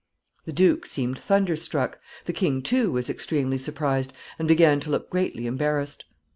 ] The duke seemed thunderstruck. The king, too, was extremely surprised, and began to look greatly embarrassed.